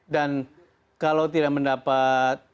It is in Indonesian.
dan kalau tidak mendapat